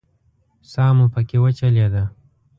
ساه مو پکې وچلېده.